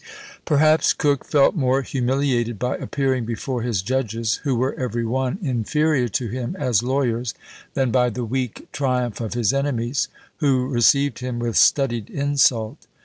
Perhaps Coke felt more humiliated by appearing before his judges, who were every one inferior to him as lawyers, than by the weak triumph of his enemies, who received him with studied insult.